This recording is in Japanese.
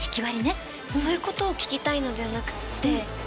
そういうことを聞きたいのではなくって。